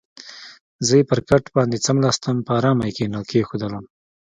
زه یې پر کټ باندې څملاستم، په آرامه یې کېښودلم.